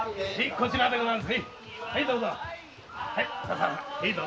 こちらでございます。